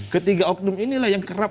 ketiga oknum inilah yang kerap